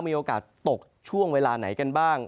มีโอกาสตกช่วงเวลาไหนกันบ้าง